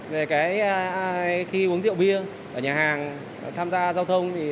về khi uống rượu bia ở nhà hàng tham gia giao thông